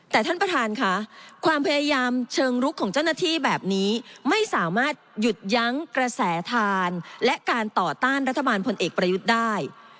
แต่ท่านประธานค่ะความพยายามเชิงลุกของเจ้าหน้าที่แบบนี้ไม่สามารถหยุดยั้งกระแสทานและการต่อต้านรัฐบาลพลเอกประยุทธ์ได้